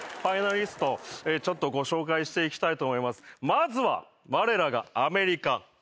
まずは。